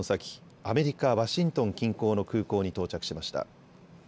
アメリカ・ワシントン近郊の空港に到着しました。